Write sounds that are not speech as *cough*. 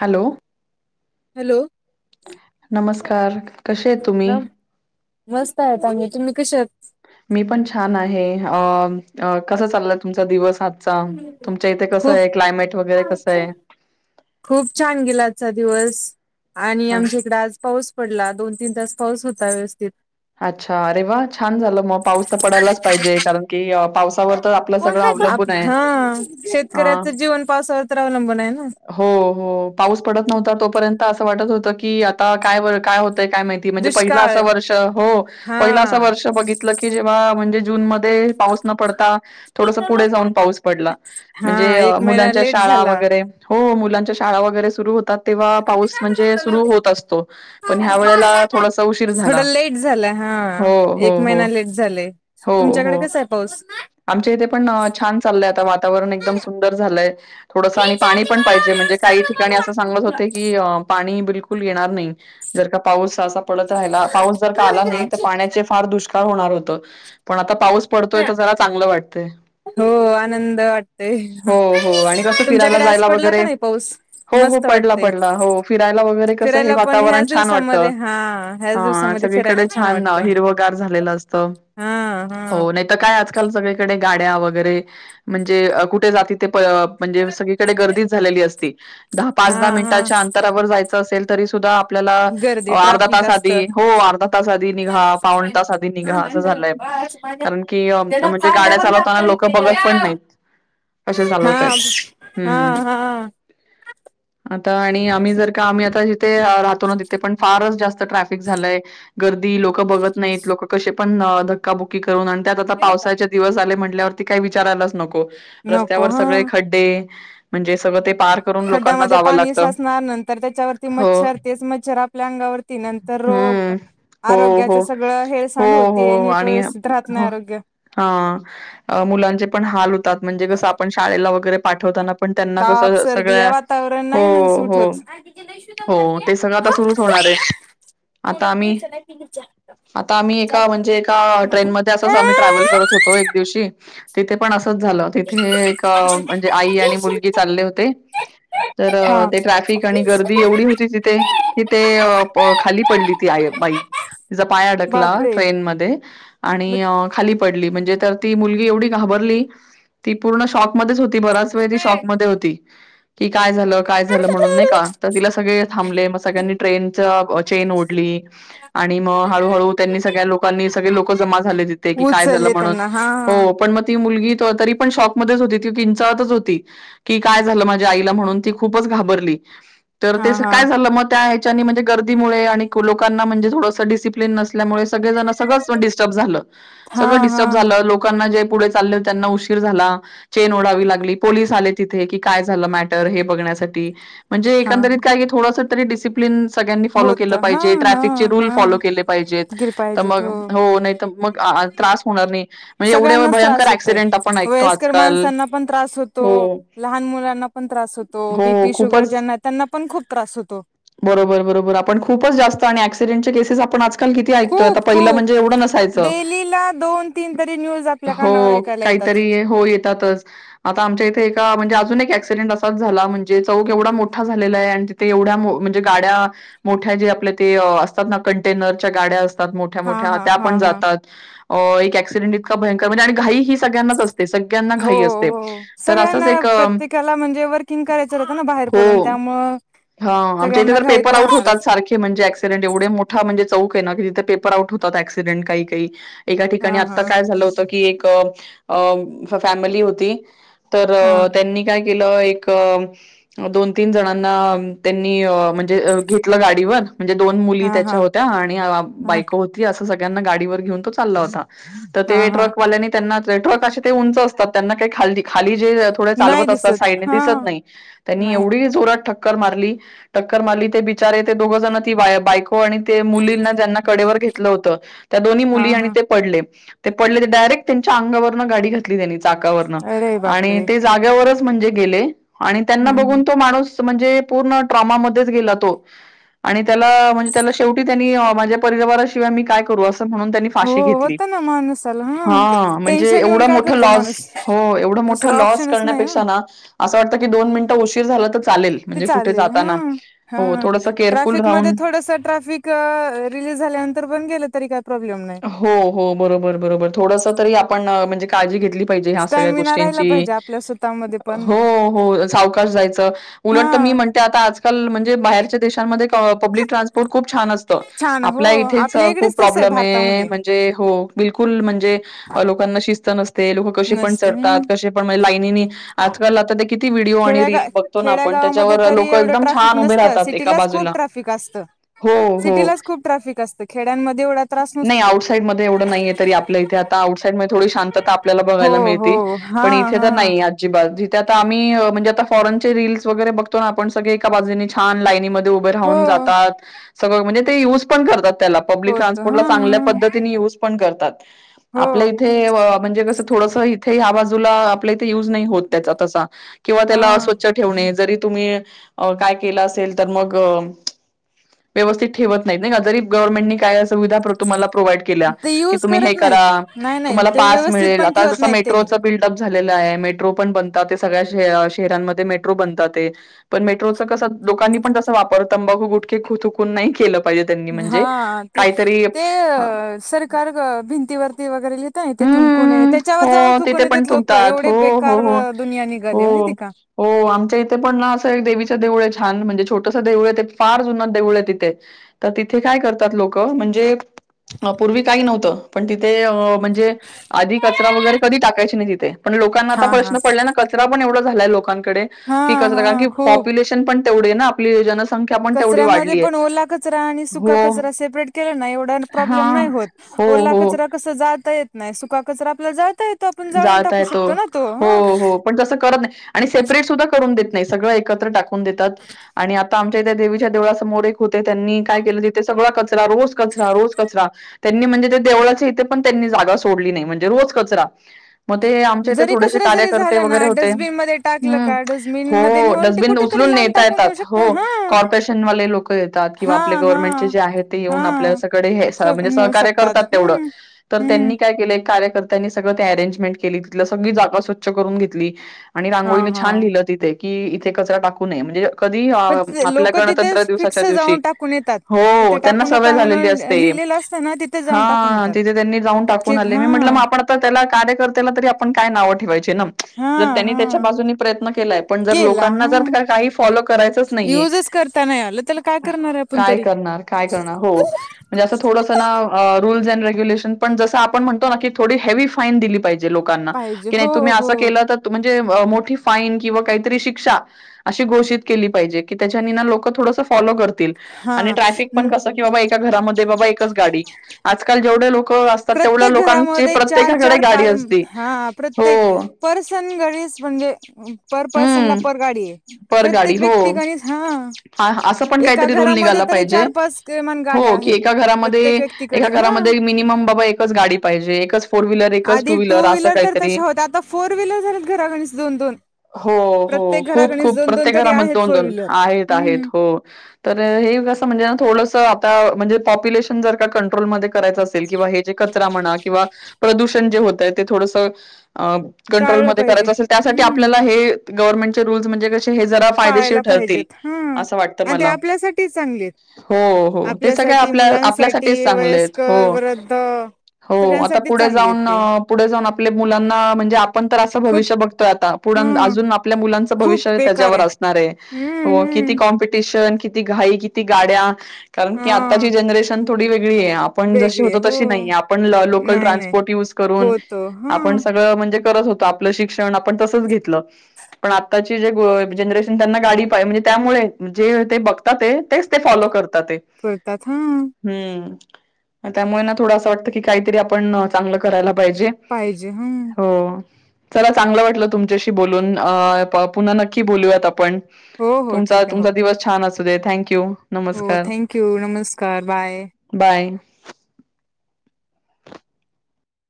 Hello hello नमस्कार कसे आहेत तुम्ही मस्त आहेत आहोत तुम्ही कश आ मी पण छान आहे अ कसा चाललाय तुमचा दिवस आ तुमच्या इथे कसं खूप आहे क्लायमेट वगैरे कसं आहे खूप छान गेला आजचा दिवस आणि अ, आमच्या इकडे आज पाऊस पडला दोन तीन तास पाऊस होता व्यवस्थित अच्छा अरे वा छान झालं मग पाऊस तर पडायलाच पाहिजे कारण की पावसावर तर आपलं ण सगळं अवलंबून आहे. हा हा शेतकऱ्याचं जीवन पावसावर तर अवलंबून आहे ना हो हो पाऊस पडत नव्हता तो र्यंत अस वाटत होतं की आता काय काय होतंय काय माहिती म्हणजे पहिलं असं दुष्काळ वर्ष हो हा पहिला असं वर्ष बघितलं की जेव्हा म्हणजे जूनमध्येध्ये पाऊस न पडता थोडस पुढे जाऊन पाऊस पडला म्हणजे हा एक महिना मुलांच्या लेट शाळा झाला. वगैरे हो मुलांच्या शाळा वगैरे सुरू होत तेव्हा पाऊस म्हणजे सुरू होत असतो पण ह्या वेळेला थोडासा उशीर झाला थोडं लेट झालं हा हो, हो, एक हो. महिना लेट झाला हो, तुमच्याकडे हो. कस आहे पाऊस आमच्या इथे पण छान चाललंय आता वातावरण एकदम सुंदर झालंय थोडस आणि पाणी पण पाहिजे म्हणजे काही ठिकाणी असं सांगलंत होते की पाणी बिलुल जर का पाऊस पडत राहिला, पाऊस जर काय आला नाही पाण्याचे फार दूश होणार होत पण आता पाऊस पडतोय तर त्याला चांगलं वाटतं हो आनंद वाटतेय हो, हो आणि कसं फिरायला तुमच्याकडे आज जायला पडला का वगैरे नाही पाऊस हो, म पडला पड हो फिरायला वगैरे कस हे फिरायला पण वातावरण ह्याच छान वाटत दिवसामध्ये हा ह्याच दिवसामध्ये फिरायला सग छान वाटतं हिरवगार झालेलं असत हा हा हो नाही तर काय आजकाल सग गाड्या वगैरे म्हणजे कुठे जात ते म्हणजे सगळीकडे गर्दीच झालेली असती दहा पाच हा दहा हा मिनिटांच्या अंतरावर जायचं असेल तरी सुद्धा आपल्याला गर्दी अर्धा ट्राफिक तास असत आधी हो अर्धा तास आधी निघा पावन तास आधी निघा असं झालंय कारण की म्हणजे गाड्या चालवताना लोक बघत पण नाहीत अे हा चालवतय आहेत हा हम् हा आणि आम्ही जर का आम्ही आता जिथे राहतो ना तिथे पण फारच जास्त ट्रॅफिक झालंय गर्दी लोक बघत नाही लोक कसे पण धक्काबुक्की करून त्यात आता पावसाचे दिवस आले म्हटल्यावरती काही विचारायलाच नको नको रस्त्यावर हा सगळे खड्डे म्हणजे सगळं ते पार करून लोकांना खड्ड्यामध्ये जावं पाणी लागतं. साचणार नंतर त्याच्यावरती हो. मच्छर तेच मच्छर आपल्या अंगावरती नंतर रोग हं. हो, आरोग्याच हो. सगळं हो, हेरसांड होतीय नीटोसध राहत नाही आरोग्य हा मुलांचे पण हाल होतात म्हणजे कसं आपण शाळेला वगैरे पाठवताना पण त्यांना कस ताप सगळ सर्दी हे वातावरण हो नाही ना सूट हो होत हो ते सगळ आ सुरूच होणार े आता आम्ही आता आम्ही ए म्हणजे ए ट्रेनमध्ये अस आम्ही ट्रॅवल कर एक दिवशी तिथे पण झा तिथे म्हणजे आई आणि मुलगी चालले होते तर हा ते ट्रॅफिक आणि गर्दी एवढी होती तिथे कि ते खाली पडली ती आ तिचा पाय अङकला बापरे ट्रेन मध्ये आणि मग खाली पडली मु घा प बराच वेळ ती शॉप मध्ये होती की काय काय म्हणून का ति सगळे थांब मग सगळ्यांनी ट्रेन चेन ओढली आणि मग हळूहळू त्यांनी सगळ्या लोकांनी सगळे लोक जमा झाले तिथे की काय झालं उचलले म्हणून त्यांना हा हो पण ती मुलगी तरी पण शॉप मध्येच होती ती किंचाळत होती की काय झाल माझ्या आईला म्हणुन ती खूपच घाबरली घाबरली तर ते हा हा काय झाल म त्या े गर्दीमुळे आणि लोकांना थोडसं डसिप्लिन नल्यामुळे सगळे सगळं डिस्टर्ब झालं हा हा सगळंडिस्टर्ब झालं लोकांना जे पुढे चालले त्यांना उशीर झाला चैन ओढावी लागली पोलीस आले तेथे काय झालं मॅटर हे म्हणजे हा हा एकंदरीत थोडेसे डिस्प्लेन सगळ्यांनी फॉलो के होत हा पाहिजे हा ट्रफचे रूल हा फॉलो केले पाहिजेत गिर तर पाहिजेत मग हो नाही मग त्रास होणार नाही म्हणजे एवढे सगळ्यांनाच त्रास भयंकर होतय ऍक्सिडेंट आपण ऐकतो वयस्कर आजकाल. माणसांना पण त्रास होतो हो. लहान मुलांना पण त्रास होतो हो बीपी शुगर खूपच ज्यांना त्यांना पण खूप त्रास होतो बरोबर बरोबर आपण खूपच जास्त आणि क्सिडेंटचे केसेस आपण आज ्किती ऐकतोय खूप पहिले म्हणजे खूप एवढं नसायचं डेलीला दोन तीन तरी न्यूज आपल्या हो कानावर ऐकायला काय येतात तरी हो येतातच आमच्या इथे एका म्हणजे एक क्सिडेंट असाच झाला म्हणजे चौक एवढा मोठा झालेला आहे आणि तिथे एवढा गाड्या मोठ्या जे आपले असतात कंटेनरच्या गाड्या मोठ्या हा मोठ्या हा त्या हा पण हा जात एक ऍक्सिडेंट इतका भयंकर म्हणजे आणि घाई ही सगळ्यांच असत हो हो सगळ्यांना एक अ, प्रत्येकाला म्हणजे वर्किंग करायच होत बाहेर पड हो. आमग हा आमच्या इथे तर पेपर आउट होतात सारे म्हणजे ऍक्सिडेंट एवढे मोठा म्हणजे चैक आहे ना तिथे पेपर आउट होतात क्सिडेंट काही काही एका ठिकाणी हा हा आता काय झालं होत की अ अ फँमेली होती तर हा त्यांनी काय केल एक दोन तीन जणांना त्यांनी म्हणजे घेतलं गाडी वर म्हणजे दोन मुली हा त्याच्या हा होत्या आणि हा बायको होती असं सगळ्यांना गाडीवर घेऊन तो चालला होता तर हा ते हा ट्रकवाल्या त्यांना ट्रक ते उंच असतात त्यांनाा खाली ते नाही चालवत असतात दिसत साईडने हा दिसत नाही त्यांनी नाही एवढ्या जोरात ठक्कर मारली टक्कर टक्कर मारली ते बिचारे ते दोघ जण ती बाईक हो आणि ते मुलींना ज्यांना कडेवर घेतलं होत त्या दोन्ही हा मुली आणि हा ते पडले ते पडले ते डायरेक्ट त्यांच्या अंगावरन गाडी घातली त्यांनी चाकावरन अरे आणि बापरे ते जाग्यावरच म्हणजे गेले आणि त्यांना हम्म बघून हम्म तो माणूस म्हणजे पूर्ण ट्रॉमामध्येच गेला तो आणि त्याला म्हणजे त्याला शेवटी त्यांनी माझ्या परिवाराशिवाय मी काय करू असतो म्हणून त्याने हो फाशी घेतली होत ना माणसाला हा हं हं टेन्शन येऊन एवढा काय मोठा करत लॉस माणूस होय एवढा मोठा दुसरा लॉस ऑप्शनच नाही ना करण्यापेक्षा नाज्ञअसं वाटतं ना दोन मिनिट उशीर झाला तर चालेल, ते म्हणजे कुठे जाताना. चा हो, थोडंसं केअरफुल ट्रफिक म राहून थोडस ट्रफिकलीज झाल्यानंत तर पण गेले तरी का हो हो बरोबर बरोबर थोडस तरी आपण म्हणजे काळजी घेतली पाहिजे ह्या सगळ्या स्टॅमिना राहिला गोष्टींची पाहिजे आपल्या स्वतःमध्ये पण हो हो सावकाश जायचं हा उलट तर मी म्हणते आता आजकाल म्हणजे बाहेरच्या बाहेरच्या देशामध्ये पब्लिक ट्रान्सपोर्ट खूप छान असतं छान हो आपल्या इथेच आपल्या इकडेच तस आहे *inaudible* भारतामध्ये लोक कसे पण नसते चढतात हम्म कसे पण म्हणे लाईनीनी आजकाल आता ते किती व्हिडिओ आणि रील खेड्या बघतो ना खेड्या आपण गावामध्ये त्याच्यावर तरी लोकं एवढं एकदम ट्राफिक छान उभे नसतं राहतात एका सिटीलाच खूप बाजूला. ट्राफिक असतं हो, हो. सिटीलाच खूप ट्रॅफिक असते नाही आउटसाईड मध्ये एवढं नाहीे तरी आपलं इथे आता आउटसाईड म थोडी शांतता आपल्याला हो बघायला हो मिळती हा पण इथे हा तर नाही आजीबज ते आता आम्ही म्हणजे आता फॉरनचे रीलस वगैरे बघतो ना आपण सगळे एका बाजूनी छान लाईनीमध्ये उभे हो राहून जातात. *inaudible* होत *inaudible* हा मुलं चांगल्या हा पद्धतीने युज पण करतात, हो आपल्या इथेव म्हणजे थोडंसं इथे हा ठ तुम्ही काय केलं असेल तर मग व्यवस्थित ठेवत नाही का जरी गव्हर्मेंटनी काय सुविधा तुम्हाला प्रॉडक्ट केल्या ते यूज तुम्ही हे करत नाहीत करा नाही नाही तुम्हाला ते पास व्यवस्थित मिळेल पण आता ठेवत जसं नाहीत त्यांनी मेट्रोचे बिल झालेल आहे मेट्रो पण बनतात सगळ्या शहरांमध्ये मेट्रो बनतात पण मेट्रोचा कसा लोकांनी पण तसा वापर तंबाखू गुटके खुतुकून नाही केलं पाहिजे त्यांनी म्हणजे हा काहीतरी ते सरकार भिंतीवरती वगैरेलिहता ते थुंकून हम्म, त्याच्यावर जाऊन हो तिथे थुकून पण येत लोक थुंकतात. हो, एवढे हो, बेकार हो. दुनिया निघाले माहिती हो, का हो आमच्या इथे पण ना असं एक देवीच्या देऊळ छान म्हणजे छोटस देऊळ आहे ते फार जुन देऊळ आहे तिथे तर तिथे काय करतात लोक म्हणजे पूर्वी काही नव्हतं पण तिथे अ म्हणजे आधी कचरा वगैरे कधी टाकायची नाही तिथे. पण लोकांना आता हा हा प्रश्न पडला ना कचरा पण एवढा झालाय लोकांकडे हा की कचरा हा कारण की खूप पॉप्युलेशन पण तेवढी ना आपली योजनाच, कचऱ्यामध्ये पण ओला कचरा आणि सुका हो, कचरा सेपरेट केला ना एवढा प्रॉब्लेम हां. नाही होत. हो, ओला हो. कचरा कस जाळता येत नाही सुका कचरा आपला जाळता येतो आपण जाळून जाळता टाकू येतो शकतो ना तो हो ह. हो पण जस करत नाही आणि सेपरेट सुद्धा करून देत सगळ एकत्र टाकून देतात आणि आता आम ते त्या देवीच्या देवळा समोर एक होते त्यांनी काय केलं तिथे सगळा कचरा रोज कचरा रोज कचरा त्यांनी म्हणजे ते देवळाचे इथे पण त्यांनी जागा सोडली नाही म्हणजे रोज कचरा. मग ते आमच्या इथे जरी थोडेसे कचरा जरी कार्यकर्ते झाला वगैरे ना होते. डस्टबिन मध्ये टाकलं हम्म. का डस्टबिन मध्ये हो नेऊन ते डस्टबिन कुठेतरी उचलून लांब नेता टाकून येतात, येऊ शकत हो हा कॉर्पोरेशनवाले लोक येतात किंवा हा आपले हा गव्हर्नमेंटचे जे आहेत ते येऊन हा आपल्या कडे हे, म्हणजे नेऊ सहकार्य शकतात करतात तेवढं हम्म तर हम्म त्यांनी काय केल कार्य त्यांनी सगळं ते अरेंजमेंट केली तिथलि सगळी जागा स्वछ करून घेतली. आणि हा रांगोळी ने हा छान लिहिलं तिथे की इथे कचरा टाकू नये. म्हणजे कधी पण आपल्या लोक गणतंत्र तिथेच दिवसाच्या फिक्स दिवशी. जाऊन टाकून येतात. जिथे हो त्यांना टाकू सवय नका झालेली म्हणून असते. लिहिलेलं असतं ना तिथे हा जाऊन टाकून येतात तिथे त्यांनी जाऊन इतके टाकून आले मी म्हणटल म हा आपण आता त्याला कार्यकर्ते्याला तरी आपण काय नावं ठेवायची. हा जर त्यांनी हा त्याच्या बाजून प्रयत्न केलाय पण जर केला लोकांना हा जर काही फॉलो करायचंच नाहीये. युजच करता नाही आलं त्याला काय करणार आहे आपण काय तरी करणार काय करणार हो म्हणजे अस थोडस ना अ रूल्स अँड रेग्युलेशन पण जस आपण म्हणतो ना की थोडी हेवी फाईन दिलीहिजे. लोकांना पाहिजे कि हो नाही तुम्ही हो आस केलतर म्हणहे अ मोठी फाईन किंवा काही तरी शिक्षा अशी घोषित केली पाहिजे कि त्याच्यानी ना लोक थोडंसं फॉलो कर तिला हा आणि ट्राफिक पण कस कि बाबा एका घरा मध्ये बाबा एकच गाडी आजल जेवढे लोक प्रत्येक घरामध्ये चार चार गाडी पा असते. हा हो. प्रत्येक परंस घरीच म्हणे पर पर्सन ला हम्म. पर गाडी आहे पर गाडी प्रत्येक हो. व्यक्ती गणीस, हा हां, असं पण एका काहीतरी रूल घरामध्ये, निघाला तरी पाहिजे, चार पाच किमान गाड्या हो कि आहेत एका घरामध्ये प्रत्येक एका व्यक्तीकडे हा घरामध्ये मिनिमम बाबा एकच गाडी पाहिजे. एकच फोर व्हीलर, एकच आधी टू असं व्हीलर तर काहीतरी. तशा होत्या आता फोर व्हीलर झालेत घरागणीस दोन दोन. हो हो प्रत्येक खूप घरागणीस खूप दोन दोन प्रत्येक तरी घरामध्ये आहेत दोन फोर दोन व्हीलर आहेत हम्म आहेत हो तर ते कस म्हणजे न थोडस आता म्हणजे पॉप्युलेशन जर का कंट्रोलमध्ये करायचं असेल किंवा हे जे कचरा म्हणा किंवा प्रदूषण जे होतय, ते थोडस अ कंट्रोल टाळलं मध्ये पाहिजे करायच असेल त्यासाठी आप हम्म हे गव्हर्नमेंटचे रूल्स म्हणजे कसे हे जरा फायदेशी पाळायला ठरतील, पाहिजेत हा आस वाटत आणि ते मला. आपल्यासाठी चांगले आहेत हो हो ते सगळ आपल्यासाठी आपल्या आपल्यासाठीच मुलांसाठी चांगले आहेत हो. वयस्कर वृद्ध हो आता सगळ्यांसाठी पुढे चांगले आहेत जाऊन ते पुढे जाऊन आपल्या मुलांना म्हणजे आपण तर असं खूप भविष्य बघतोय आता. पुढ ह आजून आपल्या मुलांच खूप भविष्य बेकार त्याच्यवर असणार आहे हम्म हो किती हम्म कॉम्पिटे शन किती घाई किती गाड्या कारण कि हा आताची जनरेन थोडी वेग ळी, आपण जशे वेगळे होतो हो तशी नाही आपण लोकल नाही नाही ट्रान्सपोर्ट यूज करून, होतो हा आपण सगळं म्हणजे करत होतो आपलं शिक्षण आपण तसंच घेत ल, पण आताची जे जनरेशन त्यांना गाडी पा म्हणजे त्यामुळे जे, ते बघतात ते तेच ते फॉलो करतात ते. पुरतात हा हम्म. त्यामुळे ना थोडं असं वाटतं की काहीतरी आपण चांगलं करायला पा पाहिजे, पाहिजे ह हो. चला चांगल वाटलं तुमच्याशी, बोलून आ पुन्हा नक्की बोलूयात आपण हो हो तुमचा ठीक आहे हो तुमचा दिवस छाण असो देत थँक्यू. हो नमस्कार थँक्यू नमस्कार बाय. बाय